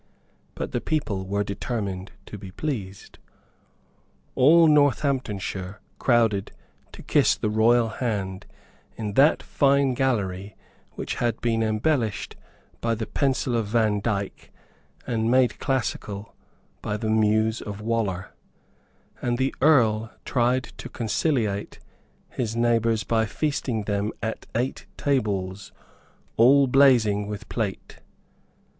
But the people were determined to be pleased. All Northamptonshire crowded to kiss the royal hand in that fine gallery which had been embellished by the pencil of Vandyke and made classical by the muse of Waller; and the Earl tried to conciliate his neighbours by feasting them at eight tables, all blazing with plate.